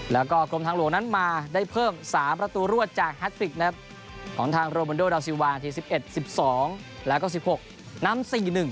แล้วก็กรมทางหลวงนั้นมาได้เพิ่ม๓ประตูรวดจากแท็กติกนะครับของทางโรมันโดดาวซิวานาที๑๑๑๒แล้วก็๑๖นำ๔๑